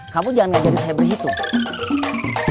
kamu jangan kejadian saya berhitung